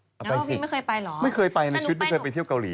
อร์ไมน์ไม่เคยไปเหรอไม่เคยไปไปที่เที่ยวกับเกาหลี